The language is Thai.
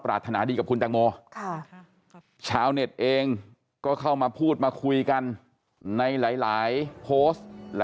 รถนาดีกับคุณแตงโมชาวเน็ตเองก็เข้ามาพูดมาคุยกันในหลายโพสต์